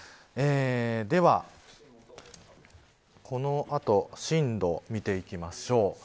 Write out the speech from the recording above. では、この後進路を見ていきましょう。